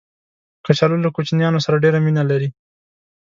کچالو له کوچنیانو سره ډېر مینه لري